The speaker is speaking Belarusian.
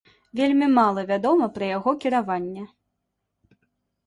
Вельмі мала вядома пра яго кіраванне.